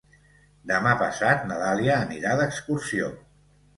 Demà passat na Dàlia anirà d'excursió.